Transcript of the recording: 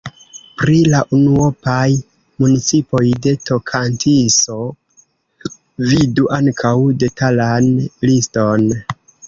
Pri la unuopaj municipoj de Tokantinso vidu ankaŭ detalan liston.